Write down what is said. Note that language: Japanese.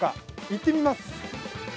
行ってみます。